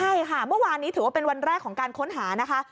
ใช่ค่ะเมื่อวานนี้ถือว่าเป็นวันแรกของการค้นหานะคะ